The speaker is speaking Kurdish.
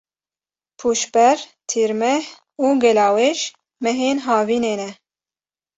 Pûşber, Tîrmeh û Gelawêj mehên havînê ne.